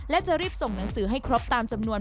และจะรีบส่งหนังสือให้ครบตามจำนวน